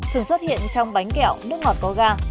thường xuất hiện trong bánh kẹo nước ngọt có ga